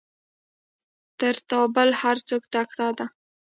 تر تا بل هر څوک تکړه ده.